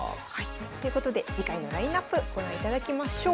ということで次回のラインナップご覧いただきましょう。